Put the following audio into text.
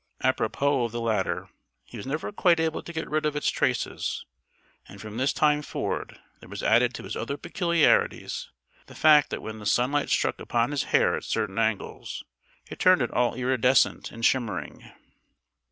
Apropos of the latter he was never quite able to get rid of its traces; and from this time forward there was added to his other peculiarities the fact that when the sunlight struck upon his hair at certain angles, it turned it all iridescent and shimmering.